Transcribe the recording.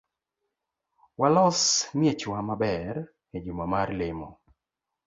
Walos miechwa maber ejuma mar lemo